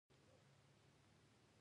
په دې غره کې ډېر طبیعي ښایست پروت ده